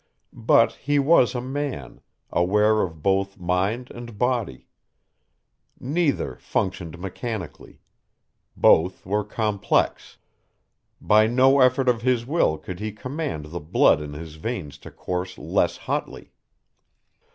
But he was a man, aware of both mind and body. Neither functioned mechanically. Both were complex. By no effort of his will could he command the blood in his veins to course less hotly.